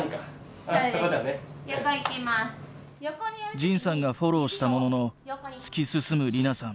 仁さんがフォローしたものの突き進む莉菜さん。